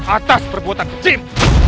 atas perbuatan jim